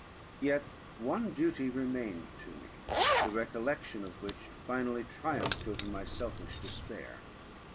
Yet one duty remained to me, the recollection of which finally triumphed over my selfish despair.